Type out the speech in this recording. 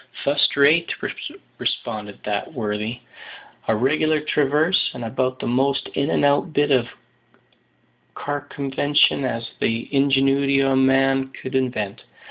"Fust rate," responded that worthy; "a reg'lar traverse, and about the most in and out bit of carcumvention as the ingenuity o' man could invent.